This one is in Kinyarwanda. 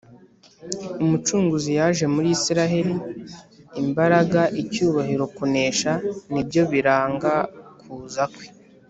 . Umucunguzi yaje muri Isiraheli! Imbaraga, icyubahiro, kunesha, nibyo biranga kuza kwe.